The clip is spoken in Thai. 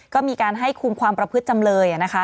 ก็มีการให้คุมความประพฤติจำเลยนะคะ